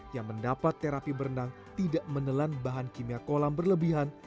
yang mendapat terapi berenang tidak menelan bahan kimia kolam berlebihan